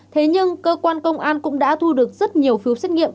thế nhưng cơ quan công an cũng đã thu được rất nhiều phiếu xét nghiệm